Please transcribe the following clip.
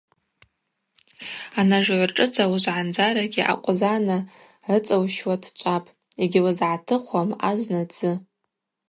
Анажгӏвыршӏыдза уыжвгӏандзарагьи акъвзана ыцӏылщуа дчӏвапӏ – йгьлызгӏатыхуам азна дзы.